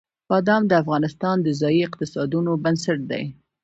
بادام د افغانستان د ځایي اقتصادونو بنسټ دی.